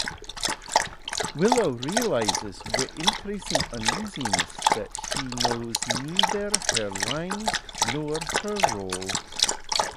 Willow realizes with increasing uneasiness that she knows neither her lines nor her role.